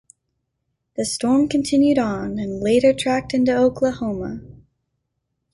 The storm continued on, and later tracked into Oklahoma.